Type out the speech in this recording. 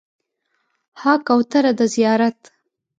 ها کوتره د زیارت